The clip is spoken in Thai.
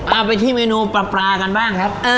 เอาไปที่เมนูปลากันบ้างครับ